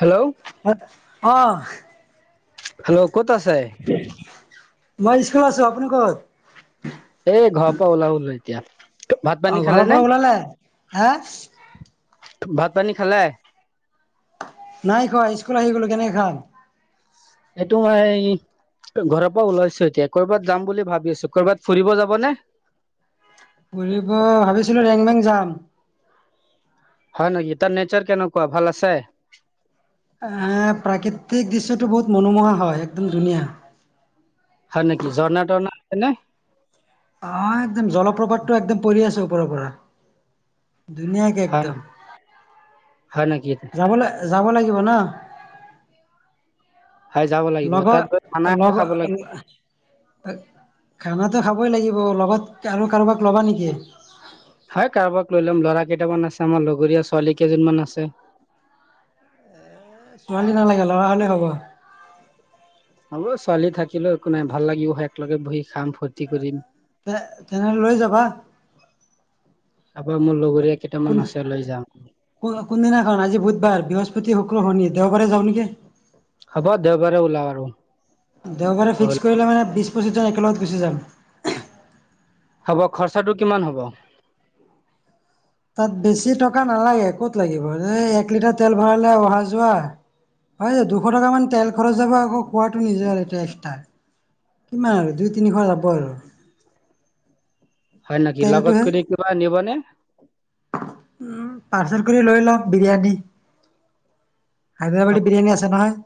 Hello! অহ! Hello ক'ত আছে? মই স্কুলত আছো। আপুনি কত? এ ঘৰৰ পৰা ওলাব ললোঁ এতিয়া। ভাত অ, পানী ঘৰৰ খালে নে পৰা ওলালে? হা ভাত পানী খালে? নাই খোৱা। স্কুল আহি গ'লো কেনেকে খাম। এইটো হয়। ঘৰৰ পৰা ওলাইছো এতিয়া, ক'ৰবাত যাম বুলি ভাবি আছো। ক'ৰবাত ফুৰিব যাব নে? ফুৰিব ভাবিছিলো ৰেংমেং যাম। হয় নেকি? তাৰ নেচাৰ কেনেকুৱা ভাল আছে? আ, প্ৰাকৃতিক দৃশ্যটো বহুত মনোমোহা হয় একদম ধুনীয়া। হয় নেকি, ঝৰ্ণা-টৰ্ণা আছে নে? অ, একদম জলপ্ৰভাপটো একদম পৰি আছে ওপৰৰ পৰা। ধুনীয়াকে হয় একদম। হয় নেকি যাব ল যাব লাগিব ন? হয় যাব লাগিব লগত, তাত গৈ খানা লগ খাব অ, লাগিব আ খানাটো খাবই লাগিব। লগত আৰু কাৰোবাক ল'বা নেকি? হয় কাৰোবাক লৈ ল'ম ল'ৰা কেইটামান আছে। আমাৰ লগৰীয়া ছোৱালী কেইজনীমান আছে। ছোৱালী নালাগে! লৰা হলেই হব। হ'ব ছোৱালী থাকিলেও একো নাই ভাল লাগিব, একেলগে বহি খাম, ফূৰ্তি কৰিম। তেনেহলে লৈ যাবা। তাৰপা মোৰ লগৰীয়া কেইটামান আছে লৈ যাওঁ। কো কোনদিনাখন আজি বুধবাৰ, বৃহস্পতি, শুক্ৰ, শনি, দেওবাৰে যাও নেকি? হ'ব, দেওবাৰে ওলাও আৰু। দেওবাৰে ফিক্স কৰিলে মানে বিশ, পঁচিছজন একেলগত গুচি যাম। হ'ব খৰচাটো কিমান হ'ব? তাত বেছি টকা নালাগে ক'ত লাগিব এই এক লিটাৰ তেল ভৰালে অহা যোৱা। হয় যে দুশ টকামান তেল খৰচ যাব আকৌ খোৱাটো নিজে আৰু এতিয়া এক্সট্ৰা। কিমান আৰু দুই তিনিশ যাব আৰু। হয় নেকি লগত তেলটোহে কৰি কিবা নিবনে? উম পাৰ্চেল কৰি লৈ লম বিৰিয়ানী। হাইদৰাবাদী বিৰিয়ানী আছে নহয়।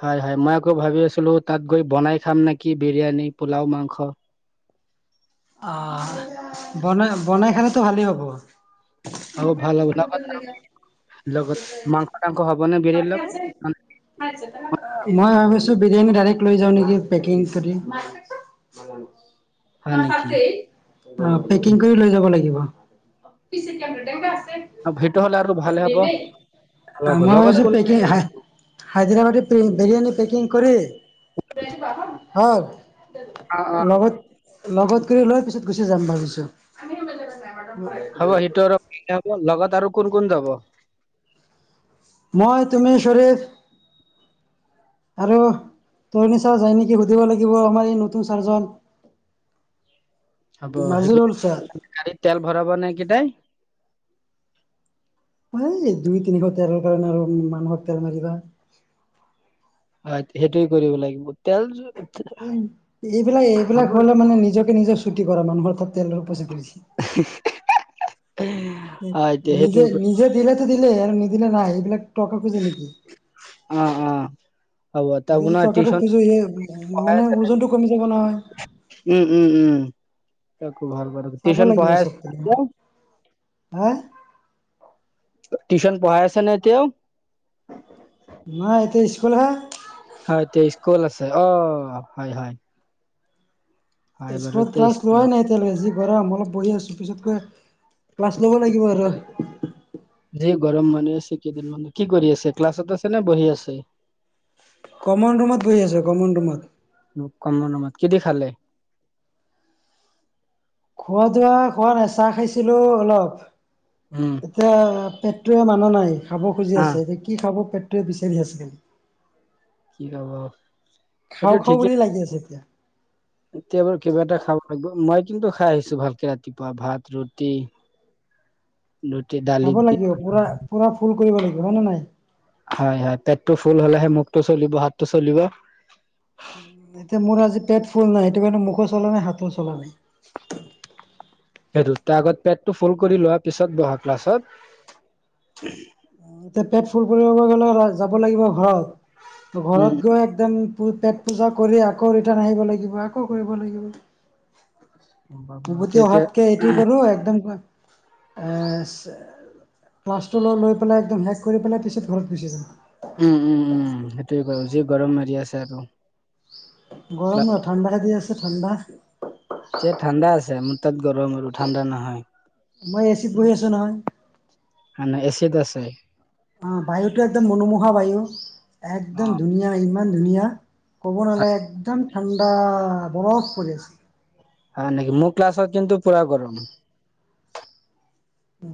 হয় হয় মই আকৌ ভাবি আছিলো তাত গৈ বনাই খাম নেকি বিৰিয়ানী পোলাও, মাংস। অঁ বনাই বনাই খালেতো ভালেই হব। হ ভাল হব লগ লগত মাংস তাং হব ন বিৰেল লগত। মই ভাবিছো বিৰিয়ানী ডাইৰে্ট লৈ যাওঁ নেকি পেকিং কৰি। ম হয় নেকি চছে। পেকিং কৰি লৈ যাব লাগিব। অ ভেট হলে আৰু ভালে হব। ভাল হ'ব মই লগত ভাবিছোঁ কোন পেকিং হাই হায়দৰাবাদী বিৰিয়ানী পেকিং কৰি। অ অ হয় লগত। লগত কৰি লোৱাৰ পিছত গুচি যাম ভাবিছোঁ। হ'ব সিটোৰ হব লগত আৰু কোন কোন যাব। মই, তুমি, চৰিদ আৰু তই নিশা যাই নেকি সুধিব লাগিব আমাৰ এই নতুন চাৰজন। হব সেই নাজিৰুল ছাৰ গাড়ীত তেল ভৰাব নে হেইকিতটাই। হয় দুই তিনিশ তেলৰ কাৰণে আৰু মানুহক তেল মাৰিবা। হয় সেইটোৱে কৰিব লাগিব তেল এইবিলাক হ'ব এইবিলাক হলে মানে নিজকে নিজৰ ছুটি কৰা মানুহৰ অথাাত তেলৰ উপচা কৰিছে। উ [unintelligible] নিজে নিজে দিলেতো দিলে আৰু নিদিলে নাই এইবিলাক টকা খুজে নেকি! অঁ, অঁ। এতিয়া য টকাটো খোজো সে পঢ়াই মানে আছে ওজনতটো কমি যাব নহয়। উম উম উম তাকো ভাল প চাব টিউচন লাগিব পঢ়াই আ চব পিনে। হা। টিউশন পঢ়াইছে নাইতিয়া। নাই এইতিয়া স্কুল হে। হয় এতিয়া স্কুল আছে অ হয় হয়। হয় বাৰু স্কুলত এতিয়া ক্লাছ লোৱা স্কুলত নাই। তেয়াল যি গৰম অলপ বহি আছো পিছতকৈ ক্লাছ ল'ব লাগিব আৰু। যি গৰম মানুহ আছে কেইদিনমানান কি কৰি আছে ক্লাছত আছে নে বহি আছে। কমন ৰুমত বহি আছে কমন ৰুমত। কম নম্মদ কিদি খালে। খোৱা দোৱা খোৱা নেচাহ খাইছিলো অলপ। উম। এতিয়া পেটোৱয়ে মানুহ নাই খাব খুজি আহ আছে এতিয়া কি খাব পেট। বিচাৰি আছেি কি খাব সেইটো খাওঁ খাওঁ ঠিকে বুলি লাগি আছে এতিয়া। এতিয়া বাৰু কিবা এটা খাব লাগিব মই কিন্তু খাই আহিছো ভালকে ৰাতিপুৱা ভাত, ৰুটি। ৰুটি দালি। ফুন কৰিব লাগিব জনো নে নাই? হয় হয়। পেটটো ফুল হলেহে মুখটো চলিব, হাতটো চলিব। এতিয়া মোৰ আজি পেট ফুল নাই, সেইটো কাৰণে মুখো চলা নাই, হাতো চলা নাই। সেইটো তাৰ আগত পেটটো ফুল কৰি লোৱা, পিছত বহা ক্লাছত এতিয়া পেট ফুল কৰিব গলে যাব লাগিব ঘৰত, উম ঘৰত গৈ একদম পেট পূজা কৰি আকৌ ৰিটাৰ্ণ আহিব লাগিব, আকৌ কৰিব লাগিব। পুৰ্বটি তেতিয়া অহাতকে হেতি‌ কৰক, একটাইম এহ, ক্লাছটোলৈ লৈ পেলাই একদম হেষ কৰি পেলাই পিছত ঘৰত গুচি যাম। উম, উম, উম। সেইটোৱে কৰো, যি গৰম মাৰি আছে আৰু গৰম নহ, ঠাণ্ডা দি আছে, ঠাণ্ডা এতিয়া ঠাণ্ডা আছে, মোৰ তাত গৰম আৰু ঠাণ্ডা নহয়। মই এচিত বৈ আছো নহয়। এনাই এছিত আছে। অহ বায়ুটো একদম মনোমোহা বায়ু, একদম ধুনীয়া, ইমান ধুনীয়া। কব নালাগে, একদম ঠাণ্ডা, বৰফ পৰিছে। হয় নেকি, মোৰ ক্লাছত কিন্তু পুৰা গৰম।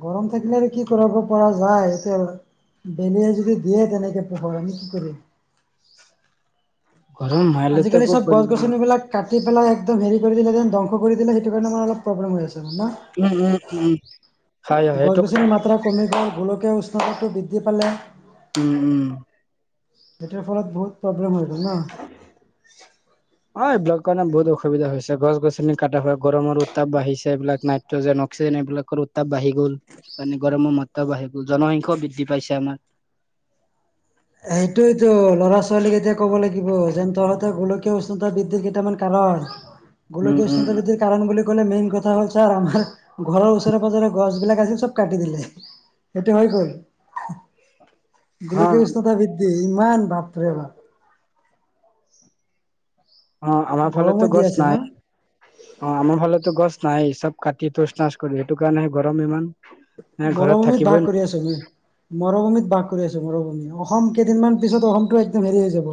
গৰম থাকিলে কি কৰিব পৰা যায়, এইটোৱে আৰু এনেই যদি দিয়ে তেনেকে, পোহৰ আমি কি কৰিম গৰম আজিকালি মাইলতাকো চব গছ কৰিব গছনি বিলাক কাটি পেলাই একদম হেৰি কৰি কিনি যেন ধ্বংস কৰি দিলে, সেইটো কাৰণে মানে অলপ প্ৰব্লেম হৈ আছে মানে চা উম, উম, উম। হয় গছ সেইটো গছনিৰ কমি গৈ, গোলকীয় উষ্ণতাটো বৃদ্ধি পালে। উম, উম। এতিয়াৰ ফলত বহুত প্ৰব্লেম হৈ গ'ল জানা [inaudible] অ এইবিলাকৰ কাৰণে বহুত অসুবিধা হৈছে, গছ গছনি কাটা হয়। গৰমৰ উত্তাপ বাঢ়িছে, এইবিলাক নাই। নাইট্ৰ যেন অক্সিজেন, এইবিলাকৰো উত্তাপ বাঢ়ি গ'ল। মানে গৰমৰ মত্ৰা বাঢ়ি গল, জনসংখ্যাও বৃদ্ধি পাইছে আমাৰ এইটোৱেতো ল'ৰা ছোৱালীক এতিয়া ক'ব লাগিব, যেন তহতৰ গোলকীয় উষ্ণতা বৃদ্ধিৰ কেইটামান কাৰণ। [inaudible] গুলকীয় উম উষ্ণতা বৃদ্ধি কাৰণ বুলি কলে মেইন কথা হ'ল, ছাৰ আমাৰ ঘৰৰ ওচৰে পাজৰে গছ বিলাক আছিল, চব কাটি দিলে। এতিয়া হৈ গ'ল, অ গোলকীয় উষ্ণতা বৃদ্ধি, ইমান বাপৰে‌ বা অহ, আমাৰ গৰমত ফালেতো দি গছ আছে না নাই। অহ, আমাৰ ফালেতো গছ নাই। চব কাটি তোচ নাচ কৰি সেইটো কাৰণে গৰম ইমান। এ ঘৰত মৰুভূমিত বাস থাকিবই কৰি আছো, মৰুভূমিত বাস কৰি আছোঁ, মৰুভূমি অসম কেইদিনমান পিছত অসমটো একদম হেৰি হৈ যাব।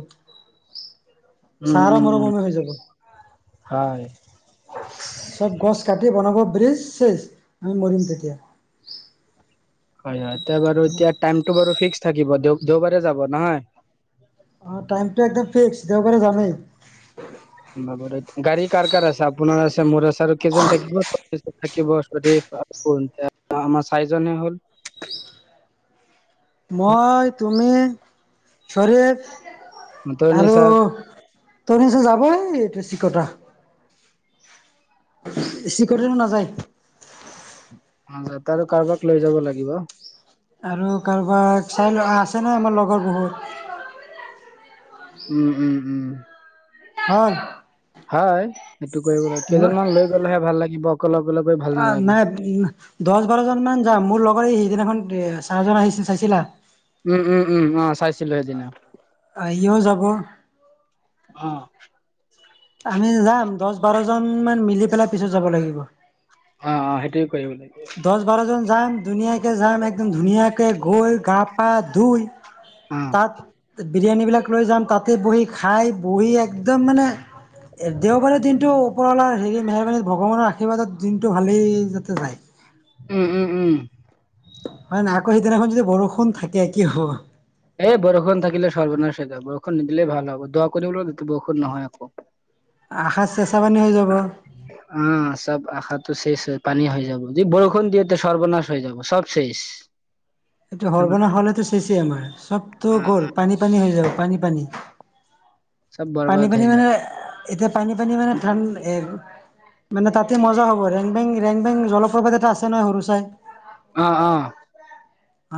উম ছাৰ উম উম মৰমতে হৈ যাব। হয় চব গছ কাটি বনাব ব্ৰিজ চেজ। আমি মৰিম তেতিয়া হয় হয়। এতিয়া বাৰু এতিয়া টাইমটো বাৰু ফিক্স থাকিব, দেওবাৰে যাব নহয়। টাইমতো একদম ফিক্স, দেওবাৰে যামেই। গাড়ী কাৰ কাৰ আছে, আপোনাৰ আছে, মোৰ আছে আৰু কেইজন থাকিব। থাকিব আকৌ ‌দেই, কোন আমাৰ চাইিজনে হলো। মই তুমি ধৰিত মতৰণি আৰু ছাৰ তোমিটো যাবই‌, ৰবা চিকৰিতিটো নাযায়। এটা আৰু কাৰোবাক লৈ যাব লাগিব। আৰু কাৰোবাক চাই লও আছেনে আমাৰ লগৰ বহুত। উম উম উম। অ, হয়, সেইটো কৰিবলে হয় কেইজনমান লৈ গলেহে ভাল লাগিব অকলে অকলে ভাল নালাগে। উম মা দহ বাৰজন মান যাম। মোৰ লগৰ এই সিদিনাখন চাৰজন আহিছিলে চাইছিলা? উম উম উম উম চাইছিলো সেইদিনা। আহিয়ো যাবৰ অ, আমি যাম। দহ বাৰজন মান মিলি পেলাই পিছত যাব লাগিব। অ অ সেইটোয়ে কৰিব লাগে। দহ বাৰজন যাম। ধুনীয়াকৈ যাম একদম ধুনীয়াকৈ গৈ গা পা ধুই অ তাত বিৰিয়ানী বিলাক লৈ যাম তাতে বহি খাই বহি একদম মানে এ দেওবাৰে দিনটো ওপৰলা হেৰি মেহৰবানীত ভগৱানৰ আশীৰ্বাদত দিনটো ভালেই যাতে যায়। উম উম উম। মানে নাই আকৌ সিদিনাখন যদি বৰষুণ থাকে কি হ'ব? এই বৰষুণ থাকিলে সৰ্বনাশ হৈ যাব। বৰষুণ নিদিলে ভাল হব দোৱা কৰিবলো বৰষুণ নহয় আকৌ। [inaudible] আশাত চেঁচা পানী হৈ যাব। [unintelligible] অ চব আশাতটো শেষ হৈ পানী হৈ যাব। য বৰষুণ দিয় সৰ্বনাশ হৈ যাব সব শেষ। এইটো সৰ্বনাশ হ'লেতো চেচে আমাৰ চবতো গ'ল পানী পানী হৈ যাব পানী পানী। চব পানী বৰবাদ পানী হৈ মানে, যাব এতিয়া পানী পানী মানে ঠান এ মানে তাতে মজা হ'ব। ৰেংবেং ৰেংবেং জলপ্ৰপাত এটা আছে নহ সৰু চাই। অঁ অঁ।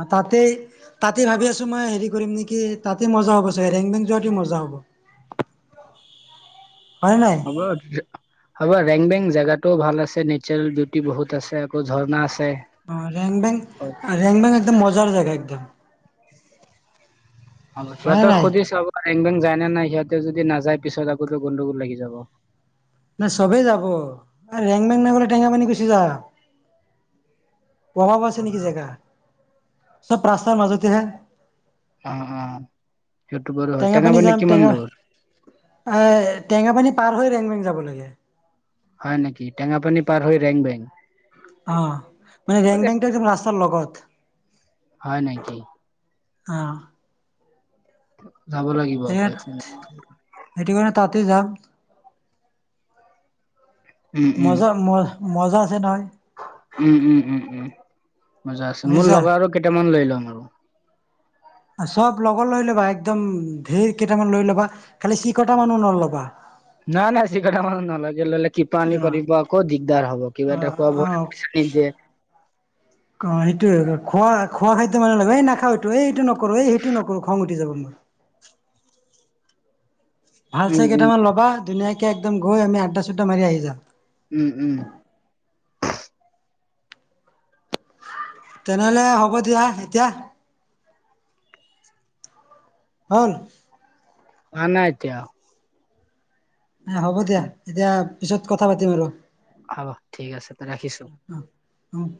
অ তাতেই। তাতে ভাবি আছো মই হেৰি কৰিম নেকি, তাতে মজা হব চাগে ৰেং বেং যোৱাতে মজা হ'ব। [inaudible] হয় নাই? সময়তকে। হব ৰেং বেং জেগাটোও ভাল আছে, নেটচাৰেল বিউটি বহুত আছে আকৌ ঝৰ্ণা আছে। অ, ৰেং বেং হ'ব ৰেং বেং একদম মজাৰ জেগা একদম। অ, হয় সিহঁতেক নাই সুধি চাব আ ৰেং বেং নে নাই সিহঁতে যদি নাযায় পিছত আগো গোণ্ডগোল লাগি যাব। নাই, চবেই যাব ৰেং বেং নাই বোলে টেঙা পানী গুচি যা। পবাব আছে নেকি জেগা? চব ৰাস্তাৰ মাজতেহে। অ, অ, সেটো বাৰু হয়, টেঙা টেঙাপানী পানী যাম কিমান টেঙা দূৰ? এ ই টেঙাপানী পাৰ হৈ ৰেং বেং যাব লাগে। হয় নকি? টেঙা পানী পাৰ হৈ ৰেং বেং। অ, মানে ৰেং বেং একদম ৰাস্তাৰ লগত। হয় নেকি? অহ, যাব লাগিব আকৌ এ ইয়াত [unintelligible] সেইটো কাৰণে তাতে যাম উম উম মজা মই। মজা আছে নহয়। উম, উম, উম, উম, মজা আছে মোৰ বুজিছা লগৰ আৰু কেইটামান লৈ লম আৰু। চব, লগৰ লৈ ল'বা একদম ধেৰ কেইটামান লৈ ল'বা, খালি চিকটা মানো নল'বা। ন, নাই চিকটা মানুহ নলয় [inaudible] কিপাণী অ কৰিব আকৌ দিগদাৰ হ'ব, কিবা অ এটা খোৱা অ বোৱা নিযে অ, এইটো খোৱা খোৱা খাদ্য মানুহ লে এই নাখা এইটো এইটো নকৰো, এই সেইটো নকৰো, খং উঠি যাব মোৰ। ভাল উম চাই উম কেইটামান লবা ধুনীয়াকে একদম গৈ আমি আড্ডা-চড্ডা মাৰি আহি যাম। উম, উম, তেনেহলে, হ'ব দিয়া এতিয়া। হ'ল। হোৱা‌ নাই এতিয়াও হ'ব দিয়া এতিয়া পিছত কথা পাতিম আৰু। হ'ব, ঠিক আছে ৰাখিছো। উম, উম,